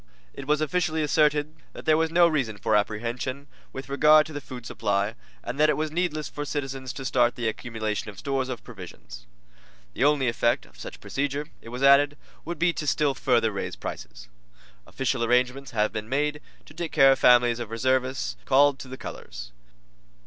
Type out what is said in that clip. It was officially asserted that there was no reason for apprehension with regard to the food supply, and that it was needless for citizens to start the accumulation of stores of provisions. The only effect of such procedure, it was added, would be to still further raise prices. Official arrangements have been made to take care of families of reservists called to the colors.